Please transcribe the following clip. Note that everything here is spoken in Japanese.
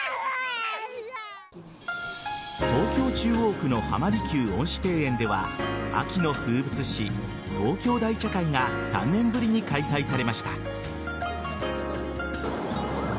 東京・中央区の浜離宮恩賜庭園では秋の風物詩・東京大茶会が３年ぶりに開催されました。